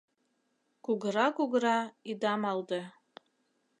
«Кугыра-кугыра» ида малде